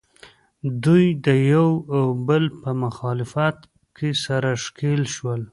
دوی د یو او بل په مخالفت کې سره ښکلیل شول